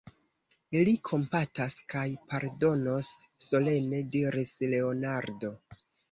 Li kompatas kaj pardonos, solene diris Leonardo.